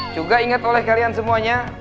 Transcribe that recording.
juga ingat oleh kalian semuanya